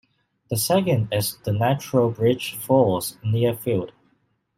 The second is the Natural Bridge Falls near Field.